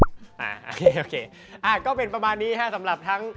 อ่าโอเคอ่าก็เป็นประมาณนี้ค่ะสำหรับทั้ง